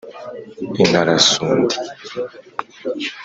n• inkarasundi